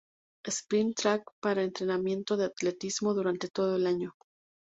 Sprint track para entrenamiento de atletismo durante todo el año.